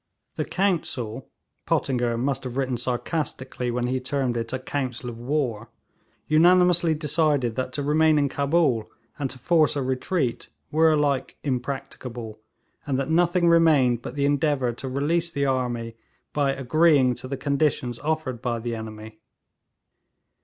The council Pottinger must have written sarcastically when he termed it a 'council of war' unanimously decided that to remain in Cabul and to force a retreat were alike impracticable, and that nothing remained but the endeavour to release the army by agreeing to the conditions offered by the enemy.